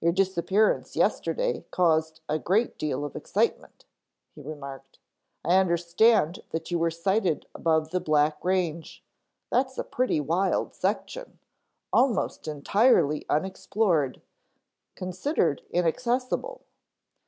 "Your disappearance yesterday caused a great deal of excitement," he remarked. "I understand that you were sighted above the Black Range. That's a pretty wild section, almost entirely unexplored; considered inaccessible.